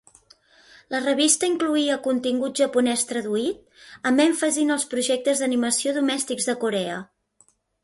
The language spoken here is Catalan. La revista incloïa contingut japonès traduït, amb èmfasi en els projectes d'animació domèstics de Corea.